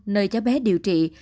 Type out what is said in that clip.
nơi cháu bé điều trị